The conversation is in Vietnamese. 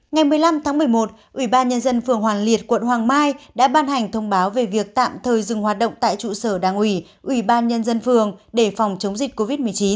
ngày một mươi năm tháng một mươi một ủy ban nhân dân phường hoàn liệt quận hoàng mai đã ban hành thông báo về việc tạm thời dừng hoạt động tại trụ sở đảng ủy ủy ban nhân dân phường để phòng chống dịch covid một mươi chín